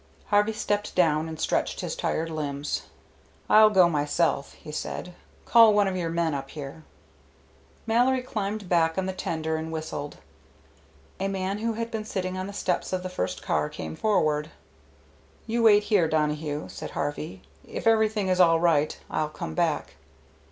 Harvey stepped down and stretched his tired limbs. "I'll go myself," he said. "Call one of your men up here." Mallory climbed back on the tender and whistled. A man who had been sitting on the steps of the first car came forward. "You wait here, Donohue," said Harvey. "If everything is all right, I'll come back."